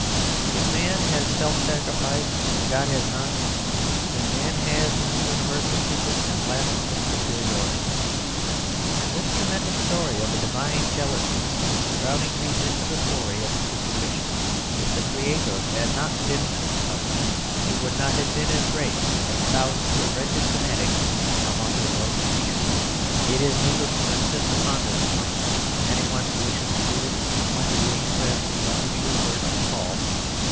If man has self sacrifice and God has none, then man has in the Universe a secret and blasphemous superiority. And this tremendous story of a Divine jealousy Browning reads into the story of the Crucifixion. If the Creator had not been crucified He would not have been as great as thousands of wretched fanatics among His own creatures. It is needless to insist upon this point; any one who wishes to read it splendidly expressed need only be referred to "Saul."